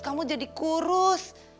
kamu jadi kurus